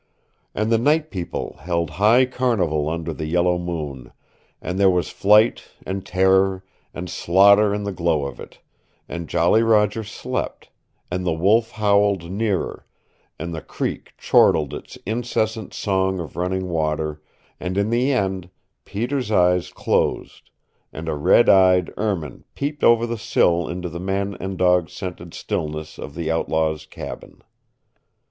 And the Night People held high carnival under the yellow moon, and there was flight and terror and slaughter in the glow of it and Jolly Roger slept, and the wolf howled nearer, and the creek chortled its incessant song of running water, and in the end Peter's eyes closed, and a red eyed ermine peeped over the sill into the man and dog scented stillness of the outlaw's cabin.